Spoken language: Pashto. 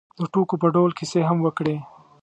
د ټوکو په ډول کیسې هم وکړې.